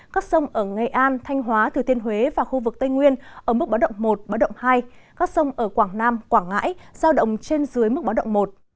các sông ở nghệ an thanh hóa thừa tiên huế và khu vực tây nguyên ở mức báo động một báo động hai các sông ở quảng nam quảng ngãi giao động trên dưới mức báo động một